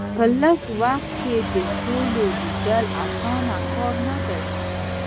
په لږ وخت کې د ټولو لیدل اسانه کار نه دی.